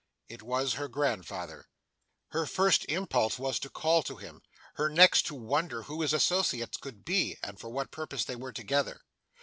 It was her grandfather. Her first impulse was to call to him; her next to wonder who his associates could be, and for what purpose they were together.